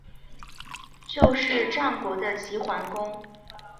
就是战国的齐桓公。